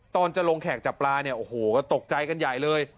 ตอนจะลงแขกจับปลาเนี่ยโอ้โหก็ตกใจกันใหญ่เลย